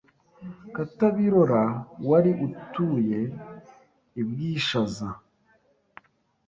Katabirora wari utuye i Bwishaza.